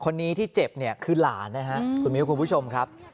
คนนี้ที่เจ็บคือหลานคุณคุณผู้ชมครับ